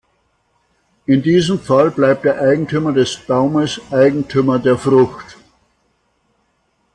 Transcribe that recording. In diesem Fall bleibt der Eigentümer des Baumes Eigentümer der Frucht.